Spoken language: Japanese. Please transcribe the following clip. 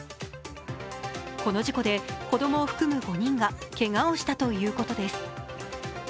この事故で子供を含む５人がけがをしたということです。